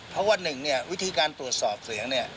เพราะว่าหนึ่งเนี่ยวิธีการตรวจสอบเสียงเนี่ย